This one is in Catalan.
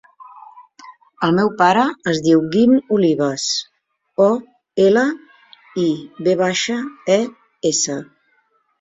El meu pare es diu Guim Olives: o, ela, i, ve baixa, e, essa.